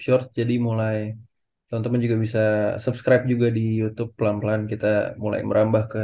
short jadi mulai teman juga bisa subscribe juga di youtube pelan pelan kita mulai merambah ke